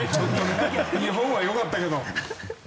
日本はよかったけど。